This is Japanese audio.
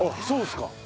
そうですか。